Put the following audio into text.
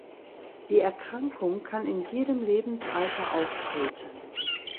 Die Erkrankung kann in jedem Lebensalter auftreten.